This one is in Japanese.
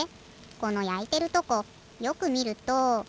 このやいてるとこよくみると。